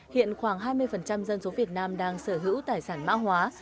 hiện khoảng hai mươi dân số việt nam đang sở hữu tài sản mã hóa